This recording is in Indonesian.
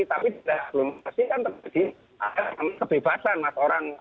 tapi di dasar aglomerasi kan terjadi kebebasan mas orang